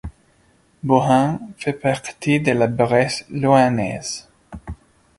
Bouhans fait partie de la Bresse louhannaise.